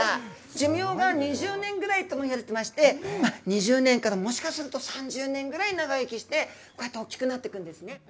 寿命が２０年ぐらいとも言われてまして、２０年からもしかすると３０年ぐらい長生きして、こうやって大きくなっていくんですね。